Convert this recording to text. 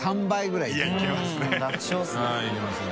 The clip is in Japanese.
いけますね。